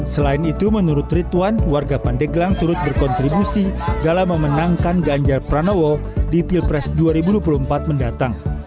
selain itu menurut ridwan warga pandeglang turut berkontribusi dalam memenangkan ganjar pranowo di pilpres dua ribu dua puluh empat mendatang